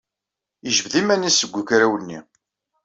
Yejbed iman-is seg ugraw-nni.